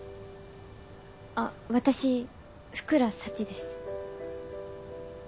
あっ私福良幸です。